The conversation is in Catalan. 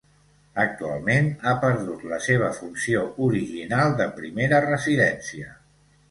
Actualment ha perdut la seva funció original de primera residència.